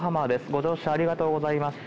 ご乗車ありがとうございます。